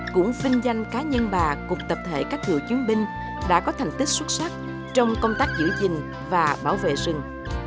cũng vinh danh cá nhân bà cục tập thể các cựu chiến binh đã có thành tích xuất sắc trong công tác giữ gìn và bảo vệ rừng